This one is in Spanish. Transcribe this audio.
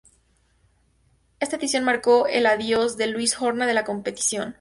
Esta edición marcó el adiós de Luis Horna de la competición.